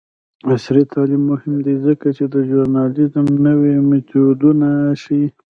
عصري تعلیم مهم دی ځکه چې د ژورنالیزم نوې میتودونه ښيي.